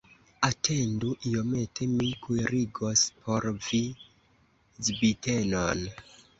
Atendu iomete, mi kuirigos por vi zbitenon!